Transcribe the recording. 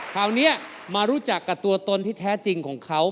คราวนี้มารู้จักกับตัวตนที่แท้จริงของเขา